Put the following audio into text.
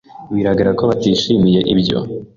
Biragaragara ko batishimiye ibyo.